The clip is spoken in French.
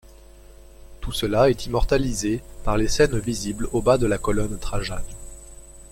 Tout cela est immortalisé par les scènes visibles au bas de la colonne Trajane.